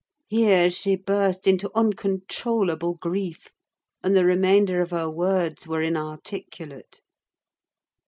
Here she burst into uncontrollable grief, and the remainder of her words were inarticulate.